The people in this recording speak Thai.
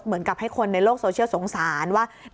เหมือนกับให้คนในโลกโซเชียลสงสารว่า